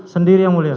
sendiri yang mulia